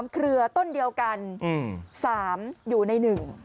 เครือต้นเดียวกัน๓อยู่ใน๑